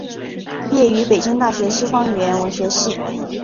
毕业于北京大学西方语言文学系。